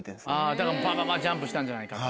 だからパパパっジャンプしたんじゃないか。